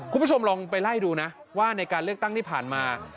คุณผู้ชมลองไปไล่ดูนะว่าในการเลือกตั้งที่ผ่านมา